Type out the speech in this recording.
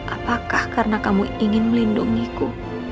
apakah karena kamu ingin melindungiku